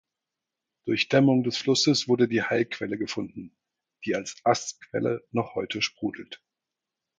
Durch Dämmung des Flusses wurde die Heilquelle gefunden, die als Ass-Quelle noch heute sprudelt.